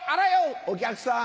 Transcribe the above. お客さん